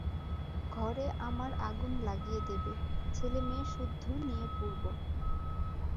ঘরে আমার আগুন লাগিয়ে দেবে, ছেলেমেয়ে-সুদ্ধু নিয়ে পুড়ব।